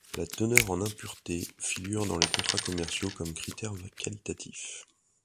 La teneur en impuretés figure dans les contrats commerciaux comme critère qualitatif.